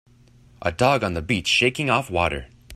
A dog on the beach shaking off water